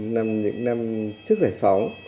năm những năm trước giải phóng